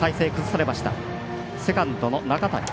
セカンド、中谷。